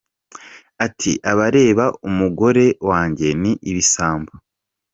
Ati “abareba umugore wanjye ni ibisambo.